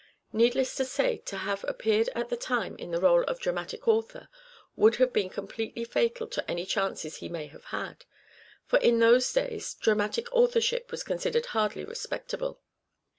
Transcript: Needless to say to have appeared at the time in the role of dramatic author would have been completely fatal to any chances he may have had : for in those days " dramatic authorship was considered hardly respectable."